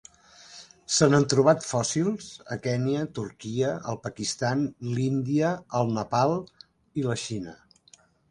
Se n'han trobat fòssils a Kenya, Turquia, el Pakistan, l'Índia, el Nepal i la Xina.